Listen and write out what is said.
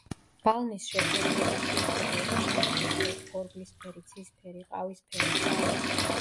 ბალნის შეფერილობა შეიძლება იყოს ნაცრისფერი, ხორბლისფერი, ცისფერი, ყავისფერი, შავი.